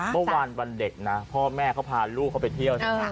เมื่อวานวันเด็กนะพ่อแม่เขาพาลูกเขาไปเที่ยวสินะ